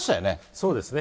そうですね。